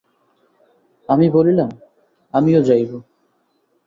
আমি বলিলাম, আমিও যাইব।